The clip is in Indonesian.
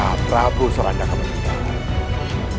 raka prabu sorandaka berhentian